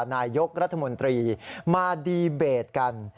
นายกรัฐมนตรีมาดีเบตกัน